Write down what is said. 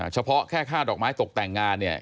เฉพาะแค่ค่าดอกไม้ตกแต่งงานเนี่ย